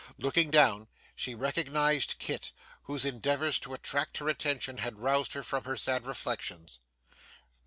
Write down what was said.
Looking down, she recognised Kit, whose endeavours to attract her attention had roused her from her sad reflections.